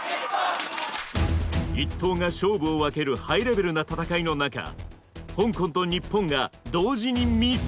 １投が勝負を分けるハイレベルな戦いの中香港と日本が同時にミス。